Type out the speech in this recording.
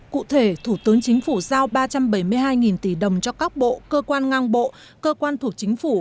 cụ thể thủ tướng chính phủ giao ba trăm bảy mươi hai tỷ đồng cho các bộ cơ quan ngang bộ cơ quan thuộc chính phủ